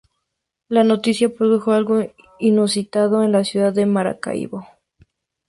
La noticia produjo algo inusitado en la ciudad de Maracaibo.